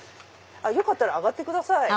よかったら上がってください。